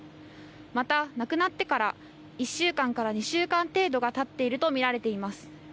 また亡くなってから１週間から２週間程度がたっていると見られています。